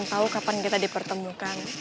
tahu kapan kita dipertemukan